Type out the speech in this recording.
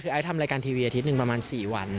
คือไอซ์ทำรายการทีวีอาทิตย์หนึ่งประมาณ๔วัน